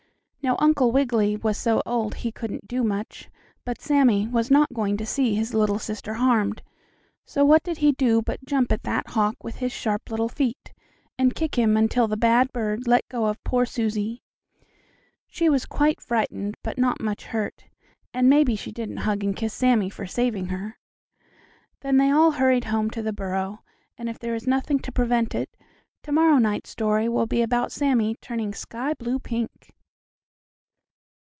Now Uncle Wiggily was so old he couldn't do much, but Sammie was not going to see his little sister harmed, so what did he do but jump at that hawk with his sharp little feet, and kick him until the bad bird let go of poor Susie. She was quite frightened, but not much hurt, and maybe she didn't hug and kiss Sammie for saving her. Then they all hurried home to the burrow, and if there is nothing to prevent it, to morrow night's story will be about Sammie turning sky blue pink.